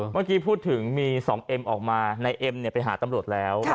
เมื่อกี้พูดถึงมี๒เอ็มออกมานายเอ็มไปหาตำรวจแล้ว